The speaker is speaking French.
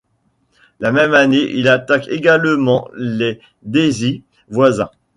La même année il attaque également les Déisi voisins.